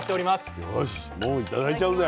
よしもう頂いちゃうぜ。